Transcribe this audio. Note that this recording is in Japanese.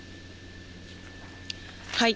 はい。